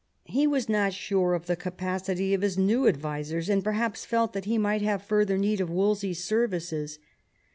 He was not sure of ihe capacity of his new advisers, and perhaps felt that he might have further need of Wolsey's services.